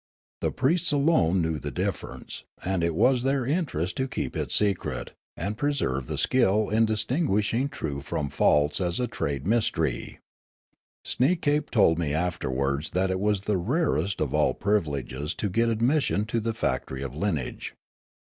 The priests alone knew the difference, and it was their interest to keep it secret, and preserve the skill in distinguishing true from false as a trade mystery. Sneekape told me afterwards that it was the rarest of all privileges to get admission to the factory' of lineage.